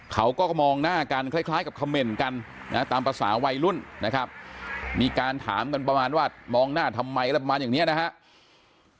เขาก็มองหน้ากันคล้ายกับคำเมนต์กันนะตามภาษาวัยรุ่นนะครับมีการถามกันประมาณว่ามองหน้าทำไมอะไรประมาณอย่างนี้นะครับ